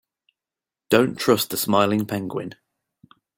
Don't trust the smiling penguin.